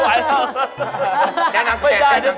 ไม่ได้จะตายจะตาย